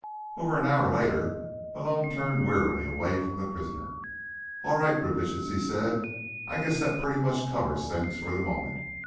Over an hour later, Malone turned wearily away from the prisoner. "All right, Brubitsch," he said. "I guess that pretty much covers things for the moment.